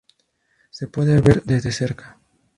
Se puede ver desde cerca.